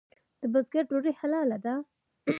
د بزګر ډوډۍ حلاله ده؟